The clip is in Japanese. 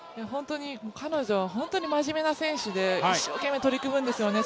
彼女は本当にまじめな選手で、一生懸命取り組むんですよね。